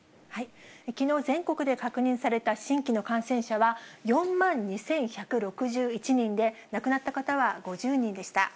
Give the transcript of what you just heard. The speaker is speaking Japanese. きのう、全国で確認された新規の感染者は４万２１６１人で、亡くなった方は５０人でした。